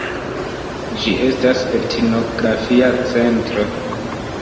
Ĝi estas etnografia centro.